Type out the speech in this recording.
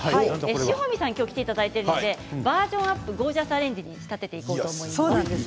志穂美さんに、きょうは来ていただいているのでバージョンアップゴージャスアレンジに仕立てていきます。